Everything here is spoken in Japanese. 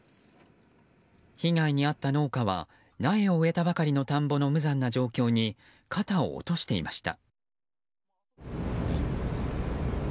被害に遭った農家は苗を植えたばかりの田んぼの無残な状況に肩を落としていました。